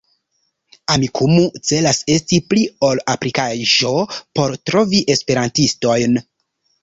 Amikumu celas esti pli ol aplikaĵo por trovi Esperantistojn.